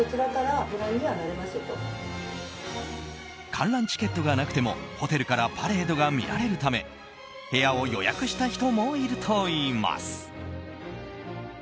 観覧チケットがなくてもホテルからパレードがみられるため部屋を予約した人もいるといいます。